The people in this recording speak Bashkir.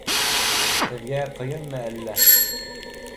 һеҙгә ҡыйынмы әллә?